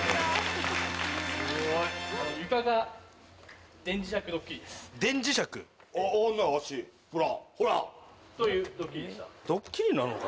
床が電磁石ドッキリです。